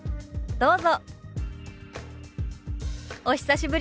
どうぞ。